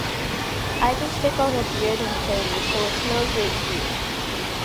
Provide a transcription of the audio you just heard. I just stick on a beard and play me, so it's no great feat.